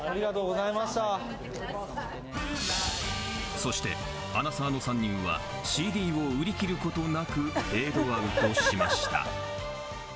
そしてアナサーの３人はＣＤを売り切ることなく、フェードアウトしました。